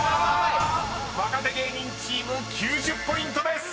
［若手芸人チーム９０ポイントです！］